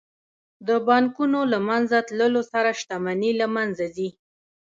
د بانکونو له منځه تلو سره شتمني له منځه ځي